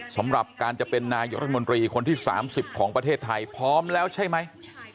สำหรับการจะเป็นนายกรัฐมนตรีคนที่๓๐ของประเทศไทยพร้อมแล้วใช่ไหม